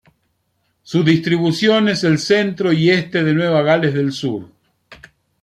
Su distribución es el centro y este de Nueva Gales del Sur.